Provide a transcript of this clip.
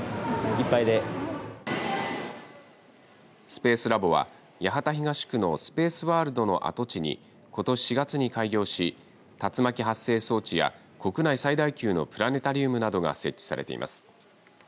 スペースＬＡＢＯは八幡東区のスペースワールドの跡地にことし４月に開業し竜巻発生装置や国内最大級のプラネタリウムなどが設置されています。